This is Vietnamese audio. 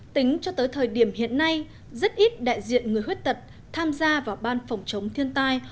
tính cho tới thời điểm hiện nay rất ít đại diện người khuyết tật tham gia vào ban phòng chống thiên tai